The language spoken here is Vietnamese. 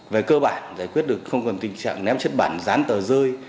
về cơ bản giải quyết được không còn tình trạng ném chất bản dán tờ rơi